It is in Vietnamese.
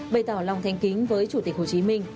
bày tỏ lòng thanh kính với chủ tịch hồ chí minh